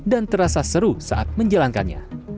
dan terasa seru saat menjalankannya